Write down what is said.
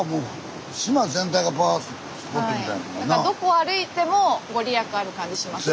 だからどこ歩いても御利益ある感じしますよね。